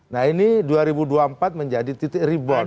nah ini dua ribu dua puluh empat menjadi titik rebound